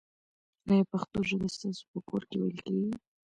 آیا پښتو ژبه ستاسو په کور کې ویل کېږي؟